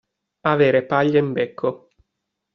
Avere paglia in becco.